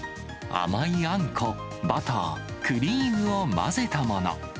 甘いあんこ、バター、クリームを混ぜたもの。